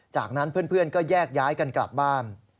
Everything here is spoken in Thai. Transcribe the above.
จากนั้นเพื่อนก็แยกย้ายกันกลับบ้าน